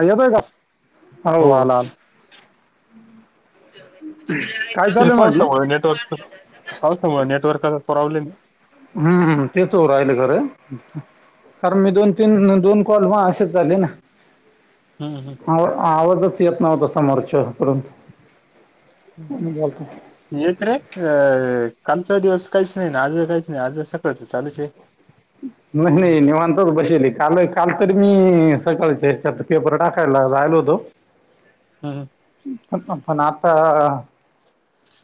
आोय का हो आलल. काय ते चालू आहे म्हटलं? पावसामुळे नेटवर्कच पावसामुळे नेटवर्काचा प्रॉब्लेम. हम्मम तेच हो राहिल खरे. कारण मी दोन तीन दोन कॉल व असेच झाले ना. हम्म आ आवाजच येत नव्हता समोरच्याकडून. म बोला. यच रे अ कालचा दिवस काहीच नाही ना आज काहीच नाही आज सकाळच चालूच आहे. नाही नाही निवांतच बसेल काल. काल तररी मी सकाळचेच्यात पेपर टाकायला राहिल होतो. हा ह. पण आता.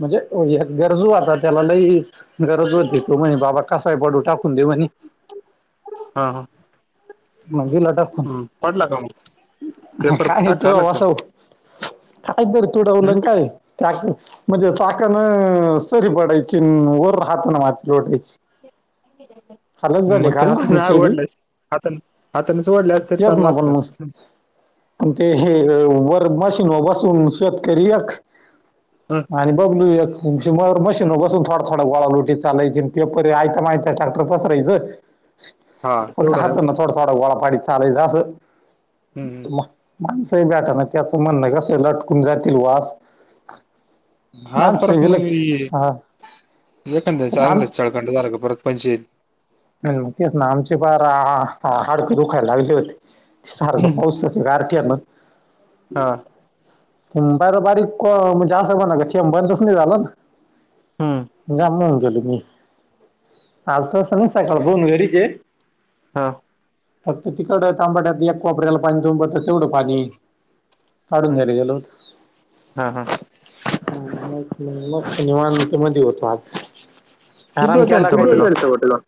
म्हणजे गरजू आता त्याला लई. गरजवरते तो म्हणे बाबा कसाय बडू टाकून देऊ म्हणे. हा हा. मग लटर फण हम्म पडला का मग पेपर काय टाकता तला आला का? वासव [unintelligible] त्याक म्हणजे चाकान सरी पडायची वर हातान माती लोटायची. हालच झाले काल ना आमचे बी. हात हातनेच वढल असतं तरी तेच चालल ना पण असत. मग ते हे वर मशीन बसून शेतकरी एक आणि बबलू एक म मशीन बसून थोडा थोडा गोळा लोटित चालायचे पेपर आयता मायता ट्रॅक्टर पसरायचं. हा फक्त तेवढं हात आहे न थोडा-थोडा गोळा पाडीत चालयच असं. हम्म माणसं भेटाना त्याचं म्हणणं कसं लटकून जातील बोवा असं. हा परत मग ये हा वखचा पण आम चळखंड झाला का परत पंचायत. तेच ना आमचे फार हाडकं दुखायला लागले होते. ते सारखं पाऊसाचं गारठ्यानं. हा. बरं बारीक म्हणजे असं म्हणा का थेंब बंदच नाही झालं ना. हम्म. जाम होऊन गेलो मी आज तास सकाळ पाहून घरीचे. हा फक्त तिकड तांबट्याला एक कोपऱ्यातल्या पाणी तुंबत. तेवढं पाणी काढून हम्म द्यायला गेलो होतो. हा हा म ते मस्त निवांत मध्ये होतो आज. किती आराम दिवस झाले केला का टमाटे लावून? [unintelligible]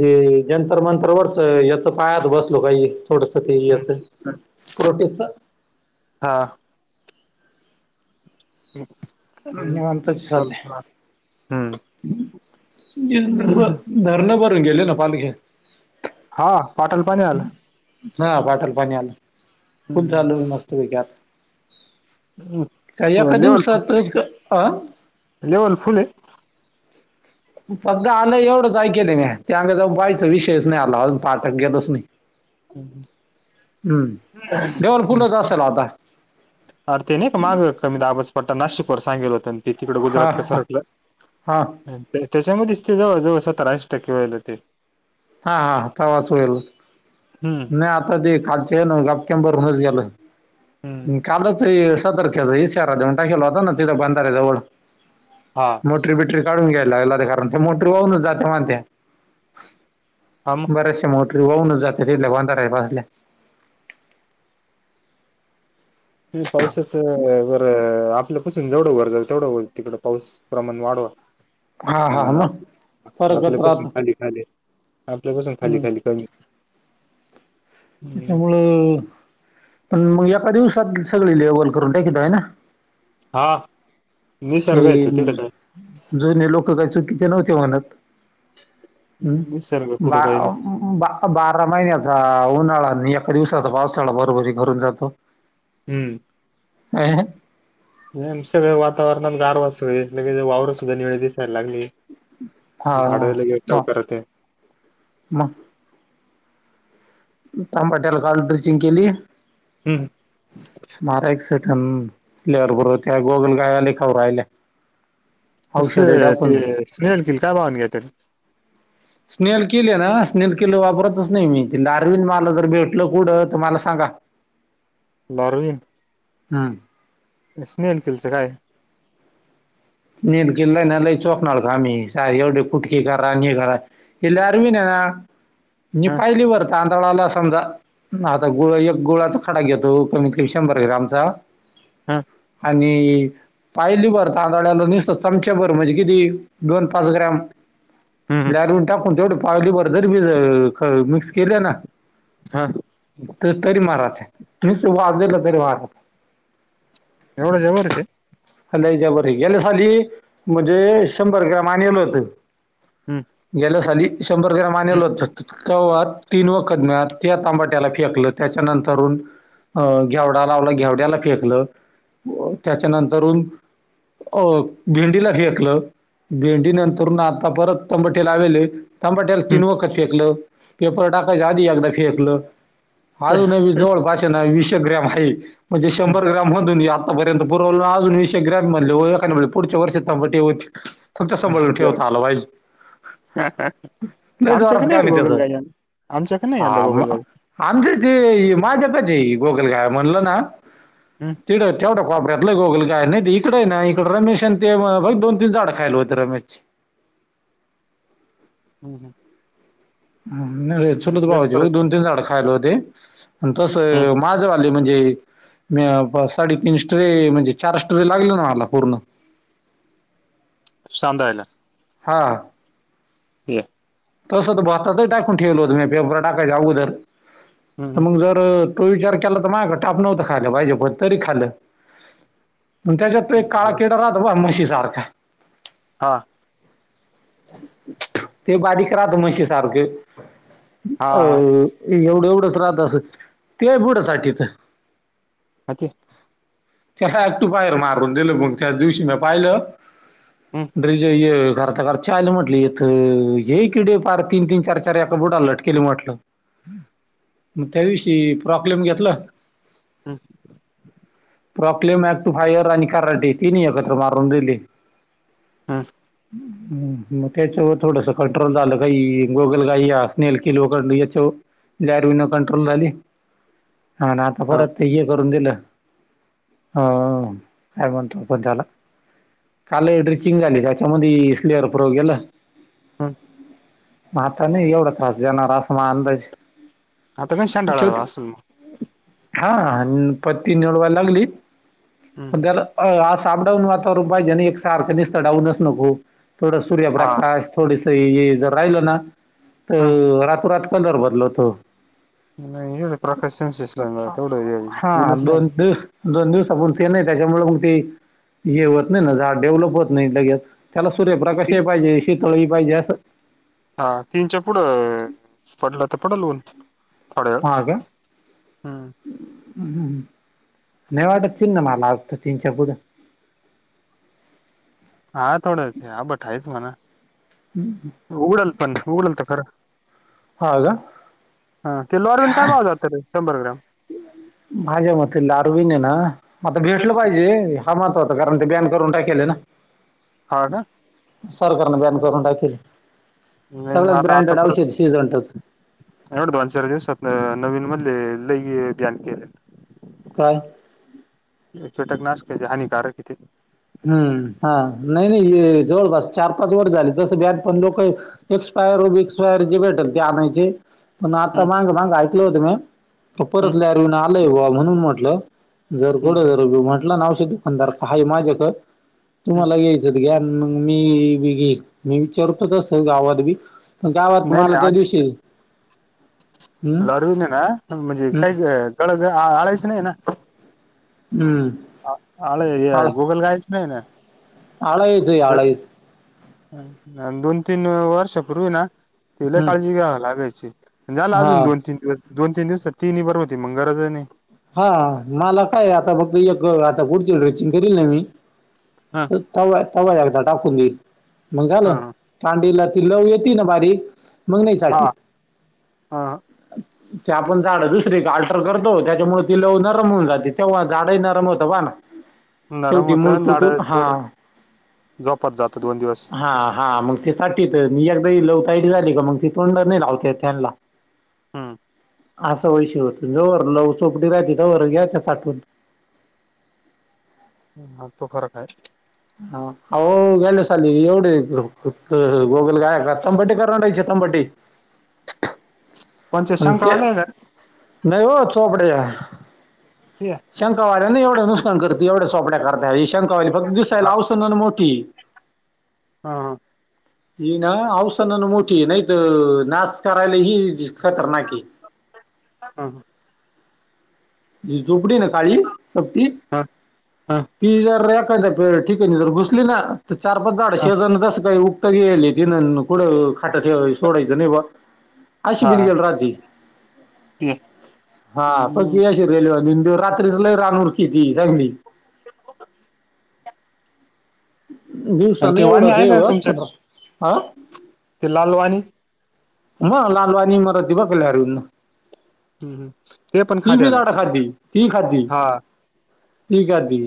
जी जंतर मंतर वरच याच पायात बसलो काही थोडस ते याच. प्रोटेक्टच. हा. [unintelligible] निवांतच चालूच राहतं हम्म. धरण भरून गेले ना पालखे हा पाटाला पाणी आलं ह पाटला पाणी आलं फुल चालू मस्तपैकी आता. काय एका लेवल दिवसातच का अं लेवल फुल आहे. फक्त आलं एवढंच ऐकेलं म्या त्याग जाऊन पाहायचा विषयच नाही आला अजून पाटाक गेलोच नाही. [inaudible] हम्मं-हम्मं. हम्म लेवल फुलच असेल आता. अर ते नाही का मागं कमी दाबाचा पट्टा नाशिक वर सांगेल होत ते तिकड हा गुजरातक हा सरकल हा हम्मं. त्याच्यामध्येच ते जवळ-जवळ सतराऐंशी टक्के व्हायले होते. हा-हा तवाच होईल. हम्म. नाही आता ते खालचे गप्प्यान भरूनच गेल. हम्म कालच सतर्कच इश्यारा देऊन टाकेला होता ना तिड बंधाऱ्या जवळ. हां. मोटरी बिटरी काढून घ्यायला लावेल होत्या कारण त्या मोटरी वाहूनच जाते म्हणत्या. हा मग बऱ्याचशा मोटरी वाहूनच जात तिथल्या बंधाऱ्या पसल्या. पावसाचं बरं आपलं पासून जवढं वर जाईल तेवढं व तिकडडे पाऊस प्रमाण वाढवा. हा हा ह मग फरकच आपल्यापासून राहतो खाली खाली आपल्या पासून खाली हम्म खाली कमी. त्याच्यामुळं पण मग एका दिवसात सगळी लेवल करून टाकितो हाय ना? हा. ते निसर्ग येतो तिकडे जुने लोक काय चुकीच नव्हते म्हणत. निसर्ग हम्म, पुढं काही नाही बाव बा -बारा महिन्याचा उन्हाळा आणि एका दिवसाचा पावसाळा बरोबरी करून जातो. हम्म. [unintelligible] सगळे वातावरणात गारवा सगळे वावरं सुद्धा निळे दिसायला लागले. हा [inaudible] आहे म. तांबाट्याला काल ड्रीचिंग केली हम्म मारा एक [inaudible] गोगल गाया लय खाऊ राहिल्या. अस औषध ते टाकून स्नेल किल काय पाहून घेत्यात? स्नेल किल ए ना स्नेल किल वापरतच नाय मी ती डारविंन वाल जर भेटलं कुढं तर मला सांगा. [inaudible] बारवीन हम्म. स्नेेन किल च काय? निल गिल्ला आय ना लय चोकनाळ काम ए सार एवढे कुटके करा अन् हे करा. इल्यारविना मी हा पाहिली बर तांतळाला समजा आता गुळ एक गुळाचा खडा घेतो कमीत कमी शंभर ग्रॅमचा. हा आणि पायली भर ता [inaudible] निसतं चमच्याभर म्हणजे किती दोन पाच ग्रॅम हम्म टाकून तेवढे पावली भर जर भिज मिक्स केले ना हा. त- तरी मारात तू नुसतं वाजलं तरी मारा एवढं जबर ए ते? हा लय जबर ए गेल्या साली म्हणजे शंभर ग्रॅम आणील होतं. हम्म. गेल्या साली शंभर ग्रॅम हम्म आणीलं होत. तवा तीन वकत म्या त्या तबाट्याला फेकलं त्याच्यानंतरून अं घेवडा लावला घेवड्याला फेकलं, त्याच्यानंतरून अ भेंडीला फेकल. भेंडी नंतरुन आता परत तंबाटे लावेले. तंबाट्याला तीन हम्म वकत फेकलं, पेपर टाकायच्या आधी एकदा फेकलं. अजूनही जवळपास ना वीश एक ग्रॅम हाय म्हणजे शंभर ग्रॅम आतापर्यंत पुरवलं अजून विश एक ग्रॅम हाय म्हणलं एकाद बार पुढच्या वर्षी तंबाटे होती. फक्त सांभाळुन ठेवता आल पाहिजे. लय जोरात आमच्याकं काम नायात आहे त्याचं गोगलगायी आमच्याकं नाय गोगल गाय. आमचाचे माझ्यातच आय गोगलगाय म्हणलं ना, तिकड तेवढा वापऱ्यातलं गोगलगाय नाय त इकडे हाय ना इकडे रमेश आणि ते रोज दोन-तीन झाडं खायलं होत रमेशची. हम् हम्. नाय चुलत लईच भावाचे रोज फरक दोन आहे तीन झाडं खायलं होते. आणि हम्म तसं माझवाले म्हणजे मी साडेतीन स्ट्रे म्हणजे चार स्ट्रे लागले ना मला पूर्ण. सांधायला. हा. ठीक हाय.. तसं तर भातातच टाकून ठेवलं होतं... मी पेपर टाकायच्या अगोदर तर हम्म मग झालं तो विचार केला.. तर माग टापन होतं खालं पाहिजे पण तरी खालं. मग त्याच्यात तो एक काळा किडा राहतो, बा म्हशी सारखा. आ.. ते बारीक राहत म्हशी सारखं... हा अ एवढं एवढंच राहत असं ते बुड साठीत अच्छा! त्याला ऍक्टूफायर मारून दिलं मग त्याच दिवशी मी पाहिलं हम्म ब्रिड्झ हे करता करता चहा ला ये म्हटलं इथं हे किडे फार तीन तीन चार चार एका बुडाला लटकिले म्हटलं मग त्याविषयी प्रॉब्लेम घेतलं हम्.. प्रॉक्लेम, ऍक्टू फायर आणि कराटे तिनी एकत्र मारून दिले हम्म. हम्म.. मग त्याच्यावर थोडंसं कंट्रोल झालं काही गोगलगाई स्नेल केलो याच्यावर. गारविळ कंट्रोल झाली आणि आता हा परत हे करून दिलं हम.. काय म्हणतो आपण त्याला काल ड्रिचिंग झाली.. त्याच्यामध्ये स्लेअर प्रोव गेलं. हम्म म आता नाही एवढा त्रास देणारं.. असाल अंदाजे आता काय शेंड्याला असंल म हा. आणि पत्ती निवडवा लागली पण हम्म त्याला आ अस अप डाउन वातावरण पाहिजे नाही एक सारख निसत डावूनच नको थोडं हा सूर्यप्रकाश.. थोडस हे जर राहिलं ना ह तर रातोरात कलर बदलवतो. नाही हे प्रकाश [unintelligible] तेवढं हा ऊनच नाही. दोन दिवस आपण ते नाही त्याच्यामुळे मग ते हे होत नाही ना झाड डेव्हलप होत नाही लगेच त्याला सूर्यप्रकाश ती- ही पाहिजे.. शेकलं ही पाहिजे असं हा तीनच्या पुढं पडलं तर पडल ऊन थोड्या वेळ हा काय हम्म हम्म.. नाही वाटत चिन्ह मला आज तर तीनच्या पुुढं हा.. थोडं ते आंबट आहेच म्हणा हम्म उघडल पण उघडल तर खरं हा का हा.. ते लॉरवीन काय भाव जात शंभर ग्रॅम भाज्या म लारू बीन आहे ना आता घेतलं पाहिजे हा महत्त्वाचा कारण ते बॅन करून टाकेलं हा का? सरकारने बॅन करून टाकल सगळ्या ब्रँडेड औषध सीझनटच या आठ दोन चार दिवसात नवीन मधले लई बॅन केलेत. काय? ते कीटकनाशक ते जे लय हानिकारक आहे ते हम्म.. हा नाही नाही जवळपास चार पाच वर झाले तसं बॅन पण लोक एक्सपायर बीक्सपायर जे भेटल ते आणायचे. पण आता हम्म माग मागं ऐकलं होतं मी ते हम्म परतल्या नवीन आलय बुवा म्हणून म्हटलं जर हम्म कुठं हम्म जरभी म्हटलं ना औषध दुकानदार हाय माझ्याकडं हम्म तुम्हाला घ्यायचं घ्या. मग मी बी मी विचारतच तस गावात बी गावात नाही मला नाही त्या आज दिवशी [inaudible] हम्म ना म्हणजे हम्म काही गळ आळायचं नाही ना? हम्म! आळ हे गुगलगाय असते ना आळय. अन् दोन तीन वर्षा पूर्वी ना लय काळजी हम्म घ्याय लागायची झाला अजून हा दोन तीन दिवस दोन तीन दिवसात तीनही बर होती मंग गरज ही नाही. हा मला काय आता फक्त एक आता पुढची ड्रेसिंग करील ना मी हां! तर तवा तवा एकदा टाकून देईल, मग झालं. ह तांडीला ती लव येत ना बारीक मग नाही चालत. हा ह ते आपण झाड दुसरे अल्टर करतो त्याच्यामुळ ती लव नरम होऊन जाते तेव्हा झाडही नरम होतं बा ना नरम शेवटी होत मूळ झाड तुटून हा थोड झोपात जात दोन दिवस हा हा, मग ते साटी तर मी एकदी लवताईट झाली का मग ती तोंड नाही लावते त्यांना हम्म! असं विषय होत जोवर लव चोपडी राहती तवर घ्यायच्या साठवून. [unintelligible] आओ गेले साली एवढे गोगलगाय आहेत ना तंबाटेच्या [inaudible] तंबाटेच्या कोणच्या आणि शंका ते आल्या का नाही हो चोपडे या. [unintelligible] शंकावाल्या ना एवढं नुकसान करतो एवढ्या सोपड्या करतात शंकावाली फक्त दिसायला औसंगन मोठी. हा! ही ना औसंगाण मोठी आहे नाहीत नास करायला ही खतरनाक आहे. हम्म! झोपडी ना काळी सपती हा ती जरा एखादा ठीक आहे जर घुसली ना तर चार पाच झाड शेजारण असं काही उपटायला गेलेत ती पुढं खाट ठेवा सोडायचं नाही बा. अशी हा [inaudible] राहती, हा पण तसे रेल्वे वाले रात्रीच लई रानूर किती सगळी. [inaudible] दिवसा ते नाही वाणी आहे का एवढं तुमच्याकडे [inaudible] आ? ते लालवाणी म लालवणीनी मरती [inaudible] हं हं ते पण ती खात्या बी ना झाडं खाती, ती खाती. हा ती खाती,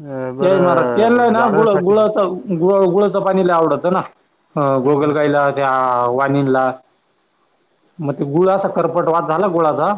अ ते मरा तेल बरं नाही ना झाडं गुळ खाते गुळाचा गुळ गुळाच पाणीला आवडतं ना हं हं गोगलगाईला त्या मग ते गुळा करपट वा झाला गुळाचा.